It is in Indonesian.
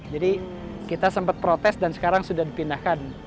jadi kita sempat protes dan sekarang sudah dipindahkan